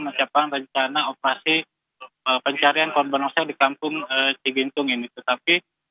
mencapai rencana operasi pencarian korban longsor di kampung ibrahim fadil yang menerjunkan alat berat atau bagaimana fadil